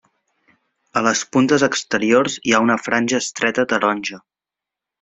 A les puntes exteriors hi ha una franja estreta taronja.